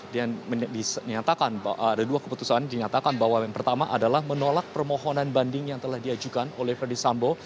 diatakan ada dua keputusan dinyatakan bahwa yang pertama adalah menolak permohonan banding yang telah diajukan oleh verdi sambo